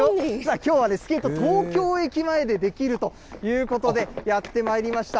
きょうはスケート、東京駅前でできるということで、やってまいりました。